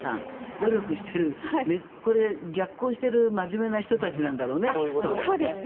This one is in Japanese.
努力をしているこれ、逆行している真面目な人たちなんだろうね。